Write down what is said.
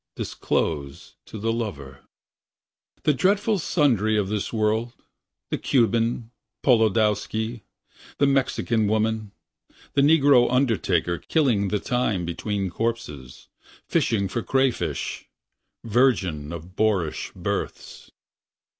Disclose to the lover. The dreadful sundry of this world. The Cuban, Polodowsky, The Mexican women. The negro undertaker Killing the time between corpses Fishing for crawfish ... Virgin of boorish births.